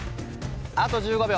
あと１５秒。